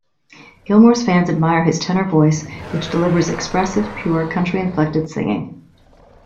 Gilmore's fans admire his tenor voice, which delivers expressive, pure, country-inflected singing.